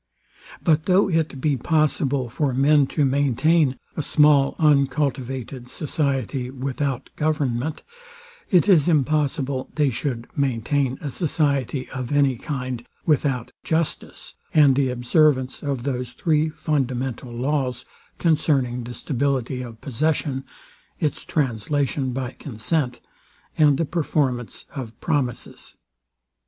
But though it be possible for men to maintain a small uncultivated society without government, it is impossible they should maintain a society of any kind without justice, and the observance of those three fundamental laws concerning the stability of possession, its translation by consent, and the performance of promises.